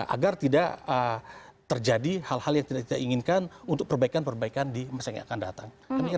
agar tidak terjadi hal hal yang tidak inginkan untuk perbaikan perbaikan di masa yang akan datang